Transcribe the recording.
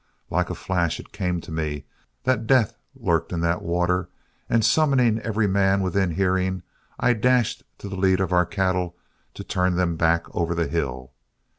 Like a flash it came to me that death lurked in that water, and summoning every man within hearing, I dashed to the lead of our cattle to turn them back over the hill.